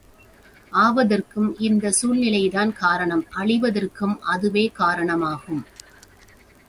ஆவதற்கும் இந்தச் சூழ்நிலைதான் காரணம் அழிவதற்கும் அதுவே காரணம் ஆகும்.